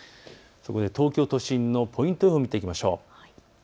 そこで東京都心のポイント予報を見ていきましょう。